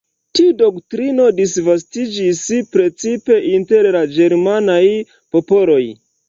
Tiu doktrino disvastiĝis precipe inter la ĝermanaj popoloj.